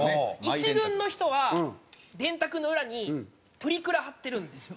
１軍の人は電卓の裏にプリクラ貼ってるんですよ。